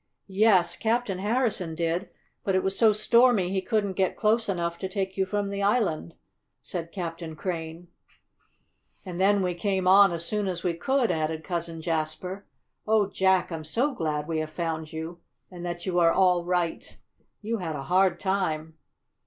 "Yes, Captain Harrison did, but it was so stormy he couldn't get close enough to take you from the island," said Captain Crane. "And then we came on as soon as we could," added Cousin Jasper. "Oh, Jack, I'm so glad we have found you, and that you are all right! You had a hard time!"